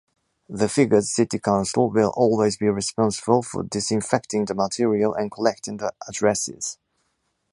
The Figueres City Council will always be responsible for disinfecting the material and collecting the addresses.